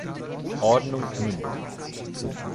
Ordnung münden